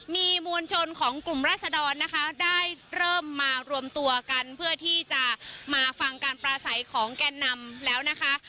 มีมวลชนของกลุ่มราศดรนะคะได้เริ่มมารวมตัวกันเพื่อที่จะมาฟังการปราศัยของแกนนำแล้วนะคะ